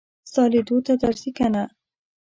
ستا لیدو ته درځي که نه.